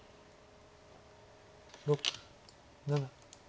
６７。